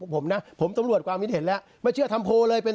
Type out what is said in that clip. ผมนะผมสำรวจความคิดเห็นแล้วไม่เชื่อทำโพลเลยเป็น